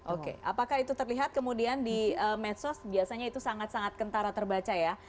oke apakah itu terlihat kemudian di medsos biasanya itu sangat sangat kentara terbaca ya